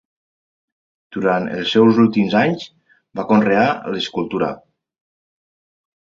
Durant els seus últims anys va conrear l'escultura.